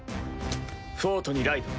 フォートにライド。